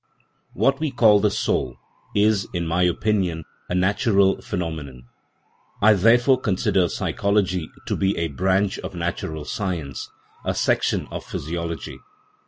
What we call the soul is, in my opinion, a natural phenomenon ; I therefore consider psychology to be a branch of natural science a section of physiology.